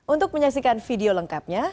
untuk menyaksikan video lengkapnya